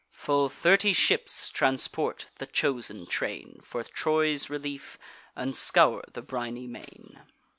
Full thirty ships transport the chosen train For Troy's relief, and scour the briny main.